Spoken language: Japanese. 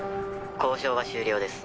「交渉は終了です」